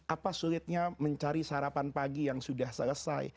apa sulitnya mencari sarapan pagi yang sudah selesai